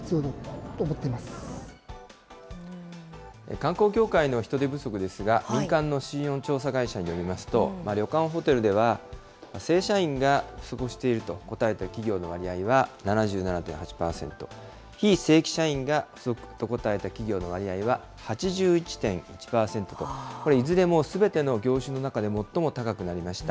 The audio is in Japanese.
観光業界の人手不足ですが、民間の信用調査会社によりますと、旅館・ホテルでは、正社員が不足していると答えた企業の割合は７７．８％、非正規社員が不足と答えた企業の割合は８１．１％と、これ、いずれもすべての業種の中で最も高くなりました。